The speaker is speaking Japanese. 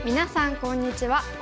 こんにちは。